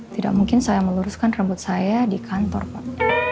tidak mungkin saya meluruskan rambut saya di kantor pak